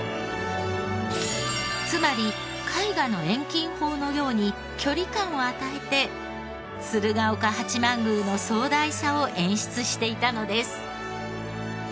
つまり絵画の遠近法のように距離感を与えて鶴岡八幡宮の壮大さを演出していたのです。